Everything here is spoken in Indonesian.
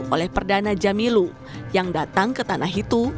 oleh perdana jamilu yang datang ke tanah itu